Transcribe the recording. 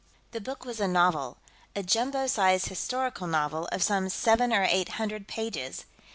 The book was a novel a jumbo size historical novel, of some seven or eight hundred pages.